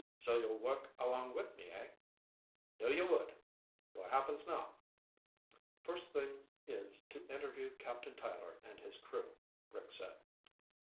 "So you'll work along with me, hey? Knew you would. What happens now?" "First thing is to interview Captain Tyler and his crew," Rick said.